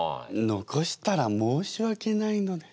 残したら申しわけないので。